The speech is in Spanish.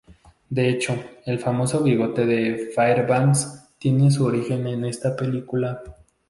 De hecho, el famoso bigote de Fairbanks tiene su origen en esta película